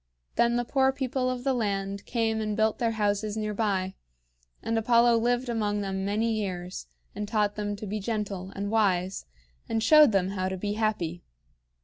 Then the poor people of the land came and built their houses near by; and Apollo lived among them many years, and taught them to be gentle and wise, and showed them how to be happy.